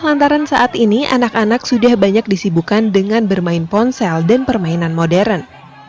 lantaran saat ini anak anak sudah banyak disibukan dengan bermain ponsel dan permainan modern